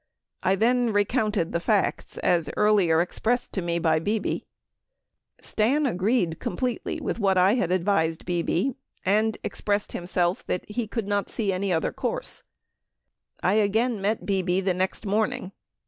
I then recounted the facts as earlier expressed to me by Bebe Stan agreed completely with what I had advised Bebe, and expressed himself that he could not see any other course I again met Bebe the next morning.